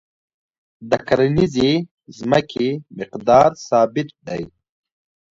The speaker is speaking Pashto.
د کرنیزې ځمکې مقدار ثابت دی.